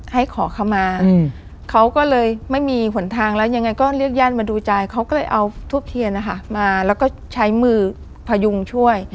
ให้ขอเข้ามาเขาก็เลยไม่มีหนทางแล้วยังไงก็เรียกญาติมาดูใจเขาก็เลยเอาทูบเทียนนะคะมาแล้วก็ใช้มือพยุงช่วย